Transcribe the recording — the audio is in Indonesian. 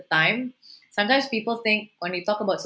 ketika anda berbicara tentang kemanusiaan atau